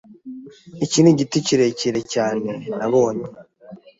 Iki nigiti kirekire cyane nabonye.